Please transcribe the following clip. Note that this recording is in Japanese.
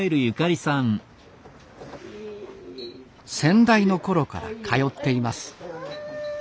先代の頃から通っています。